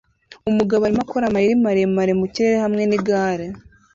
Umugabo arimo akora amayeri maremare mukirere hamwe nigare